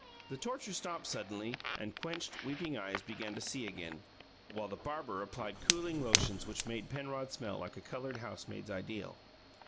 The torture stopped suddenly; and clenched, weeping eyes began to see again, while the barber applied cooling lotions which made Penrod smell like a coloured housemaid's ideal.